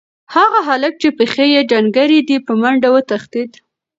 هغه هلک چې پښې یې ډنګرې دي، په منډه وتښتېد.